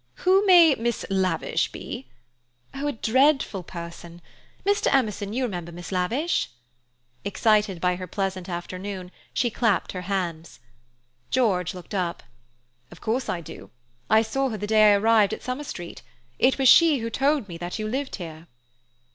"Who may Miss Lavish be?" "Oh, a dreadful person—Mr. Emerson, you remember Miss Lavish?" Excited by her pleasant afternoon, she clapped her hands. George looked up. "Of course I do. I saw her the day I arrived at Summer Street. It was she who told me that you lived here."